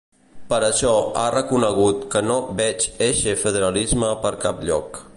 Per això, ha reconegut que ‘no veig eixe federalisme per cap lloc’.